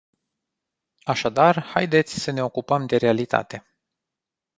Așadar haideți să ne ocupăm de realitate.